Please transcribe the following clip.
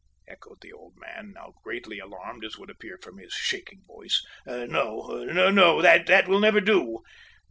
echoed the old man, now greatly alarmed, as would appear from his shaking voice. "No! no! That will never do!